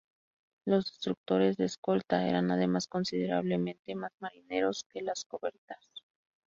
Los destructores de escolta, eran además considerablemente más marineros que las corbetas.